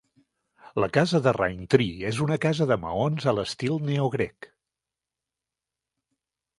La casa Raintree és una casa de maons a l'estil neogrec.